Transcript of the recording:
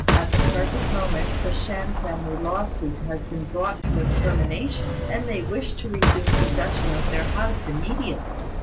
At the present moment, the Shan family law suit has been brought to a termination, and they wish to resume possession of their house immediately.